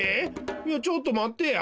いやちょっとまってや。